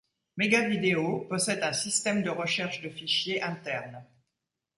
MegaVideo possède un système de recherche de fichier interne.